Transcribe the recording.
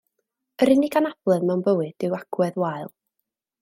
Yr unig anabledd mewn bywyd yw agwedd wael